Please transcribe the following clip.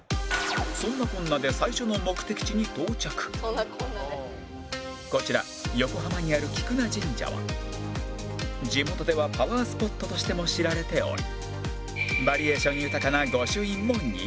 そんなこんなでこちら横浜にある菊名神社は地元ではパワースポットとしても知られておりバリエーション豊かな